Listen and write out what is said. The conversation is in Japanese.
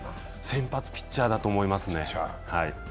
先発ピッチャーだと思いますね。